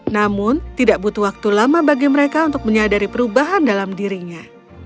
saya selalu menanggung uang mereka untuk nyadari perubahan dalam dirinya